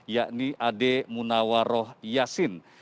yakni ade munawaroh yasin